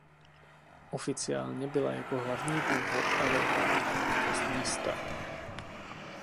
Oficiálně byla jako hlavní důvod ale uváděna velikost města.